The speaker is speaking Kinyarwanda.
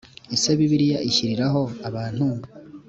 Ese Bibiliya ishyiriraho abantu